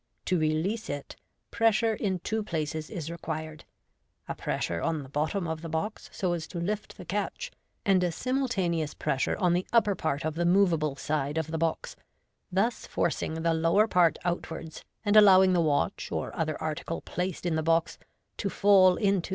To release it, pressure in two places is required — a pressure on the bottom ot the box so as to lift the catch, and a simultaneous pressure on the upper part of the moveable side of the box, thus forcing the lower part outwards, ana allowing the watch or other article placed in the box, to fall into tht 2?